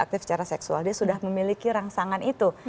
aktif secara seksual dia sudah memiliki rangsangan itu